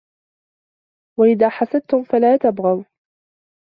وَإِذَا حَسَدْتُمْ فَلَا تَبْغُوا